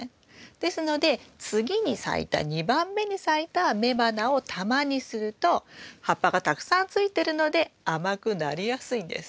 ですので次に咲いた２番目に咲いた雌花を玉にすると葉っぱがたくさんついてるので甘くなりやすいんです。